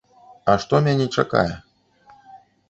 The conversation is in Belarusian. А што мяне чакае?